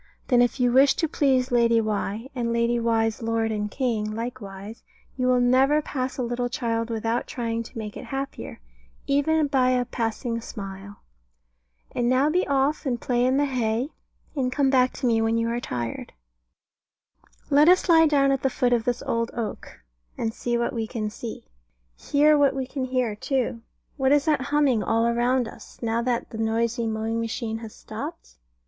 Then if you wish to please Lady Why, and Lady Why's Lord and King likewise, you will never pass a little child without trying to make it happier, even by a passing smile. And now be off, and play in the hay, and come back to me when you are tired. Let us lie down at the foot of this old oak, and see what we can see. And hear what we can hear, too. What is that humming all round us, now that the noisy mowing machine has stopped?